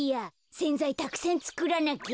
せんざいたくさんつくらなきゃ。